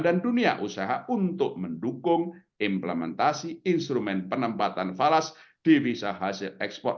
dan dunia usaha untuk mendukung implementasi instrumen penempatan falas divisa hasil ekspor